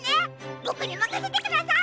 ボクにまかせてください！